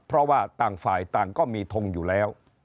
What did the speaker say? เพราะว่าต่างฝ่ายต่างก็มีทงอยู่แล้ว